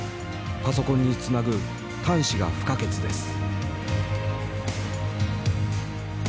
パソコンにつなぐ端子が不可欠です」。